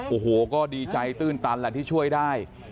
โอ้โหก็ดีใจตื้นตันแหละที่ช่วยได้